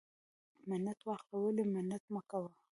ـ منت واخله ولی منت مکوه.